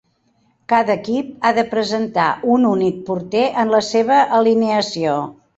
Cada equip ha de presentar un únic porter en la seva alineació.